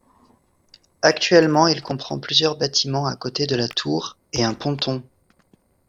Actuellement il comprend plusieurs bâtiments à côté de la tour et un ponton.